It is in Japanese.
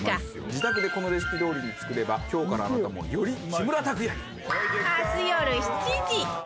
自宅でこのレシピどおりに作れば今日からあなたもより木村拓哉に！